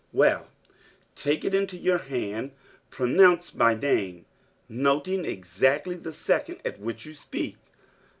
.......... "Well, take it into your hand. Pronounce my name, noting exactly the second at which you speak.